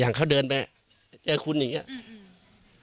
อย่างเขาเดินไปเจอคุณอย่างเงี้ยอืม